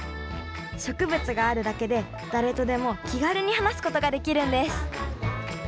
植物があるだけで誰とでも気軽に話すことができるんです